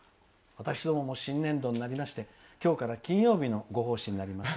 私どもも新年度になりまして今日から金曜日のご奉仕になります。